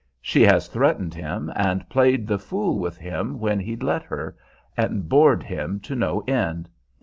She has threatened him, and played the fool with him when he'd let her, and bored him no end.